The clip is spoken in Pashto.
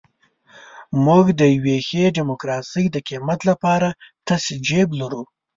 موږ د یوې ښې ډیموکراسۍ د قیمت لپاره تش جیب لرو.